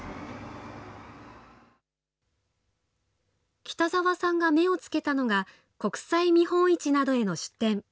北澤さんが目をつけたのが、国際見本市などへの出展。